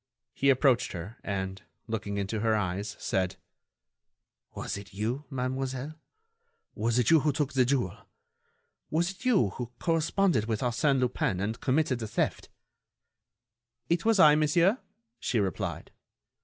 He approached her and, looking into her eyes, said: "Was it you, mademoiselle? Was it you who took the jewel? Was it you who corresponded with Arsène Lupin and committed the theft?" "It was I, monsieur," she replied.